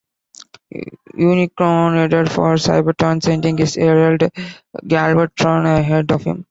Unicron headed for Cybertron sending his herald, Galvatron, ahead of him.